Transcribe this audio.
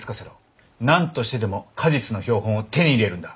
何としてでも果実の標本を手に入れるんだ。